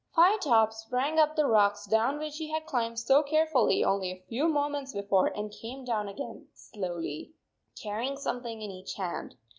Firetop sprang up the rocks down which he had climbed so carefully only a few mo ments before, and came down again slowly, H carrying something in each hand.